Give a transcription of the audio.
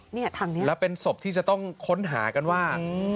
แล้วเป็นศพที่จะต้องค้นหากันว่า